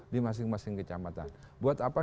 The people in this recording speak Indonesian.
di masing masing kecamatan buat apa